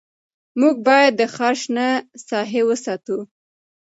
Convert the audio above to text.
موږ باید د ښار شنه ساحې وساتو